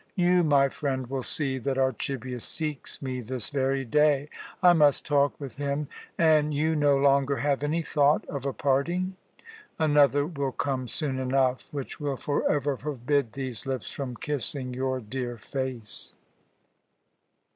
You, my friend, will see that Archibius seeks me this very day. I must talk with him, and you no longer have any thought of a parting? Another will come soon enough, which will forever forbid these lips from kissing your dear face."